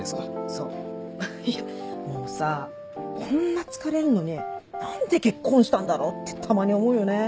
そういやもうさこんな疲れるのに何で結婚したんだろってたまに思うよね。